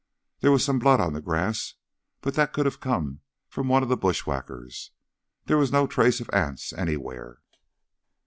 There was some blood on the grass, but that could have come from one of the bushwhackers. There was no trace of Anse, anywhere."